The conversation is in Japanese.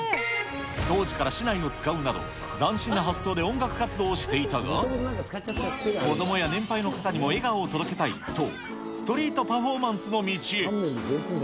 同時から竹刀を使うなど、斬新な発想で音楽活動をしていたが、子どもや年配の方にも笑顔を届けたいと、ストリートパフォーマンスの道へ。